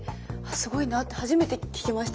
すごいなって初めて聴きました。